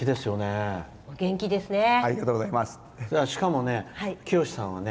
お元気ですよね。